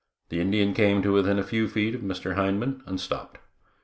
The Indian came to within a very few feet of Mr. Hindman and stopped.